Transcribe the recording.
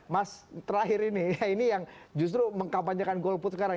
mas terakhir ini ya ini yang justru mengkampanyekan golput sekarang